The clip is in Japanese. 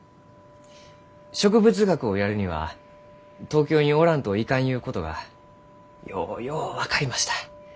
植物学をやるには東京におらんといかんゆうことがようよう分かりました。